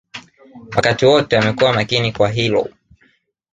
Wakati wote amekuwa makini kwa hilo